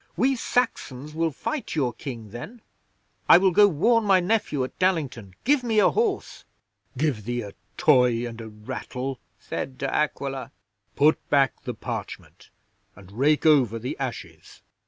"We Saxons will fight your King then. I will go warn my nephew at Dallington. Give me a horse!" '"Give thee a toy and a rattle," said De Aquila. "Put back the parchment, and rake over the ashes.